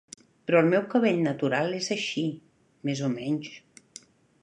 Però el meu cabell natural és així... més o menys.